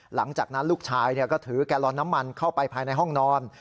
หลังจากนั้นลูกชายก็ถือแกลลอนน้ำมันเข้าไปภายในห้องนอน